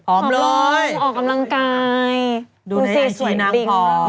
ผอมเลย